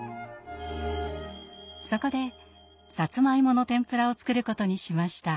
そこでさつまいもの天ぷらを作ることにしました。